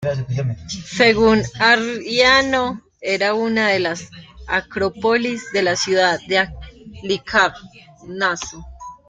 Según Arriano, era una de las acrópolis de la ciudad de Halicarnaso.